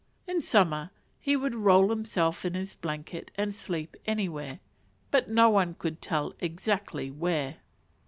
In summer, he would roll himself in his blanket and sleep anywhere; but no one could tell exactly where.